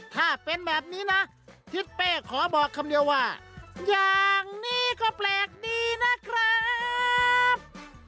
ถ้าเป็นแบบนี้นะทิศเป้ขอบอกคำเดียวว่าอย่างนี้ก็แปลกดีนะครับ